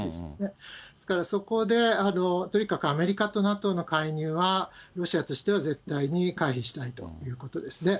ですからそこで、とにかくアメリカとＮＡＴＯの介入は、ロシアとしては絶対に回避したいということです。